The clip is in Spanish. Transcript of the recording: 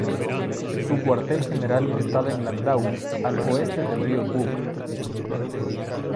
Su cuartel general estaba en Landau, al oeste del río Bug.